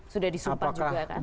sudah disumpah juga kan